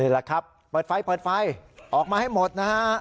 นี่แหละครับเปิดไฟออกมาให้หมดนะฮะ